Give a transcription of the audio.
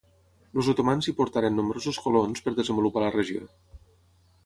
Els otomans hi portaren nombrosos colons per desenvolupar la regió.